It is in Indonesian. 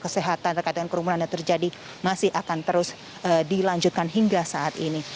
kesehatan terkait dengan kerumunan yang terjadi masih akan terus dilanjutkan hingga saat ini